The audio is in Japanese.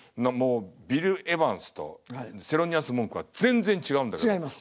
もうビル・エヴァンスとセロニアス・モンクは全然違うんだけど。